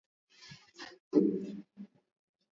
kusema sio kutenda